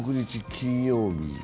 金曜日。